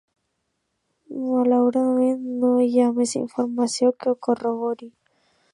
Malauradament no hi ha més informació que ho corrobori.